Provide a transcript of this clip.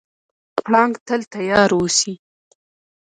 پړانګ تل تیار اوسي.